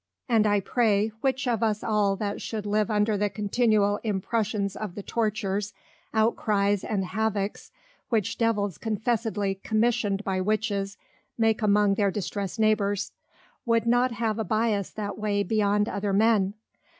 And I pray, which of us all that should live under the continual Impressions of the Tortures, Outcries, and Havocks which Devils confessedly Commissioned by Witches make among their distressed Neighbours, would not have a Biass that way beyond other Men?